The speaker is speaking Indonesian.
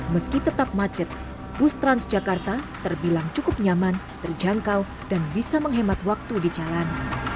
meski tetap macet bus transjakarta terbilang cukup nyaman terjangkau dan bisa menghemat waktu di jalan